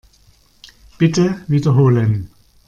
Bitte wiederholen.